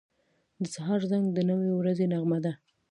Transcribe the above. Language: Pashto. • د سهار زنګ د نوې ورځې نغمه ده.